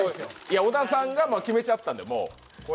小田さんが決めちゃったんで、もう。